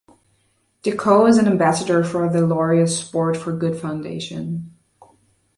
Deco is an ambassador for the Laureus Sport for Good Foundation.